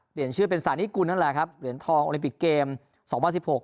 เปลี่ยนชื่อเป็นสานิกุลนั่นแหละครับเหรียญทองโอลิมปิกเกมสองพันสิบหก